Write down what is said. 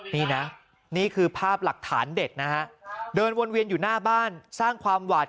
นี่นะนี่คือภาพหลักฐานเด็ดนะฮะเดินวนเวียนอยู่หน้าบ้านสร้างความหวาด